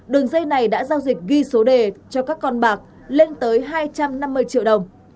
đường dây này đã giao dịch ghi số đề cho các con bạc lên tới hai trăm năm mươi triệu đồng